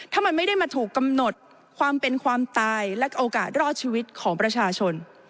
ถ้ามันไม่ได้มาถูกกำหนดความเป็นความตายและโอกาสรอดชีวิตของประชาชน